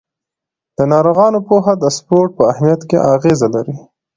د ناروغانو پوهه د سپورت په اهمیت کې اغېزه لري.